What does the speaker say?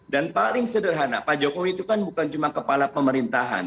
paling sederhana pak jokowi itu kan bukan cuma kepala pemerintahan